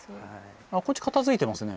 こっち片付いていますね。